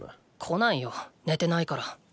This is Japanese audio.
来ないよ寝てないから。